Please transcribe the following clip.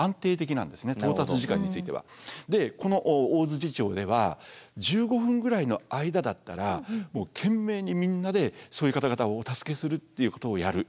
でこの大町では１５分ぐらいの間だったら懸命にみんなでそういう方々をお助けするっていうことをやる。